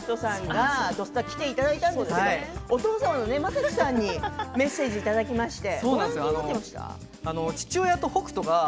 メンバーの松村北斗さんが「土スタ」に来ていただいたんですけれどお父様の政樹さんにメッセージをいただきまして。